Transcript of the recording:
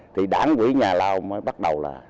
thì đảng quỹ nhà lào mới bắt đầu là